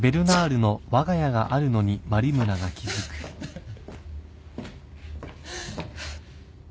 ハハハ。